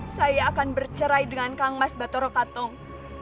saya akan bercerai dengan kang mas batoro katung